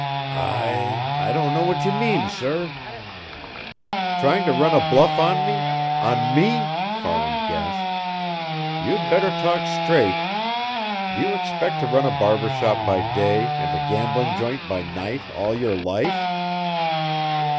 "I I don't know what you mean, sir." "Trying to run a bluff on me? On me?" Farland gasped. "You'd better talk straight. Do you expect to run a barber shop by day and a gambling joint by night all your life?"